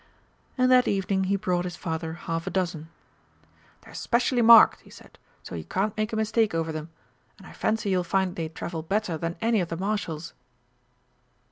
And that evening he brought his father half a dozen. "They're specially marked," he said, "so you can't make a mistake over them, and I fancy you'll find they travel better than any of the Marshal's."